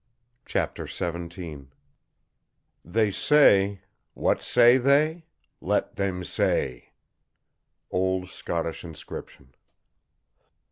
CHAPTER XVII "They say What say they? Let thame say!" OLD SCOTTISH INSCRIPTION.